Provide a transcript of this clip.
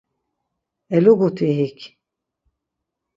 Eluguti hik.